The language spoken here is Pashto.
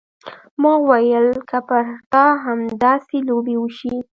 ما وويل که پر تا همداسې لوبې وشي.